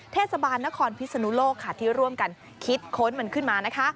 เทศบาลนครพิษณุโลกที่ร่วมกันคิดค้นเหมือนขึ้นมา